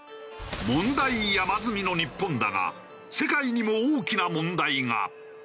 問題山積みの日本だが世界にも大きな問題が。